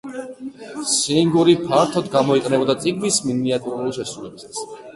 სინგური ფართოდ გამოიყენებოდა წიგნის მინიატურების შესრულებისას.